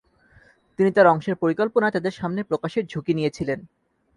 তিনি তার অংশের পরিকল্পনা তাদের সামনে প্রকাশের ঝুকি নিয়েছিলেন।